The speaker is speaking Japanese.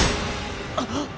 あっ！